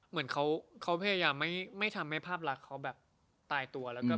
เหมือนเขาพยายามไม่ทำให้ภาพลักษณ์เขาแบบตายตัวแล้วก็